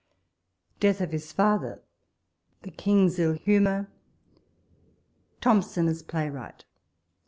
DEATH OF HIS FATHEIi THE KING'S ILL HUMOUn— THOMSON AS PLAYWIilGHT.